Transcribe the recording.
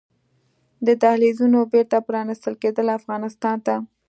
د دهلېزونو بېرته پرانيستل کیدل افغانستان ته